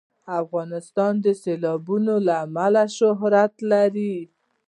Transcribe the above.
افغانستان د سیلابونه له امله شهرت لري.